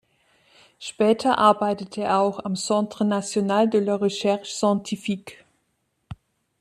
Später arbeitete er auch am Centre national de la recherche scientifique.